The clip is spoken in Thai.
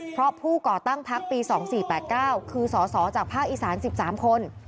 เพราะผู้ก่อตั้งพักปี๒๔๘๙คือสสจากภาคอีสาน๑๓คน